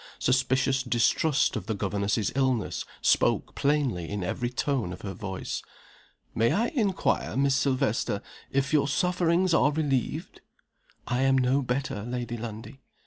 Suspicious distrust of the governess's illness spoke plainly in every tone of her voice. "May I inquire, Miss Silvester, if your sufferings are relieved?" "I am no better, Lady Lundie."